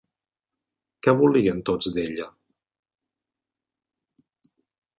Què volien tots d'ella?